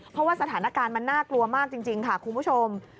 เพราะว่าสถานการณ์มันน่ากลัวมากจริงค่ะคุณผู้ชม